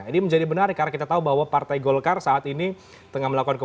jadi menjadi menarik karena kita tahu bahwa partai golkar saat ini tengah melakukan komendasi